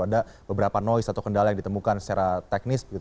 ada beberapa noise atau kendala yang ditemukan secara teknis